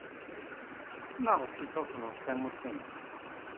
Maɣef ay tukḍed tamurt-nnek?